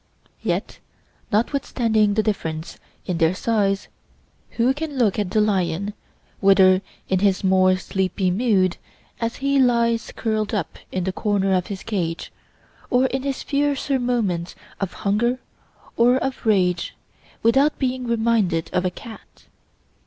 Yet notwithstanding the difference in their size, who can look at the lion, whether in his more sleepy mood, as he lies curled up in the corner of his cage, or in his fiercer moments of hunger or of rage, without being reminded of a cat?